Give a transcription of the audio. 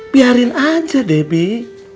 biarin aja debbie